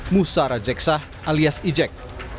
musara jeksah alias ijek